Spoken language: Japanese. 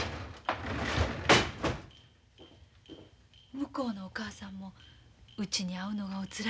向こうのお母さんもうちに会うのがおつらいやろと思うし。